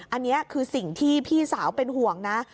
อันนี้คือสิ่งที่พี่สาวเป็นห่วงนะ